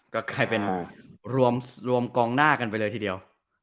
ก็กลายเป็นรวมกองหน้ากันไปเลยทีเดียว